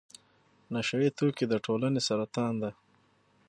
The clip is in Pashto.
نشه يي توکي د ټولنې سرطان دی.